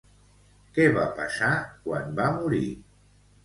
Què va passar quan va morir?